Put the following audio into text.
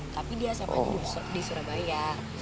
tapi dia saya panggil di surabaya